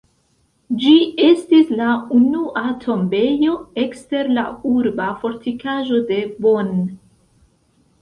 Ĝi estis la unua tombejo ekster la urba fortikaĵo de Bonn.